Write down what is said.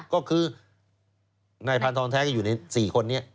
ก็คือนายพานทองแท้ก็อยู่ใน๔คนนี้